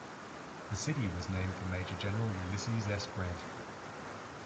The city was named for Major General Ulysses S. Grant.